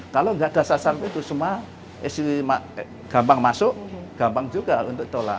kalau nggak ada sasaran itu semua istri gampang masuk gampang juga untuk tolak